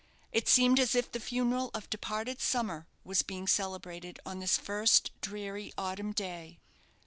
It seemed as if the funeral of departed summer was being celebrated on this first dreary autumn day.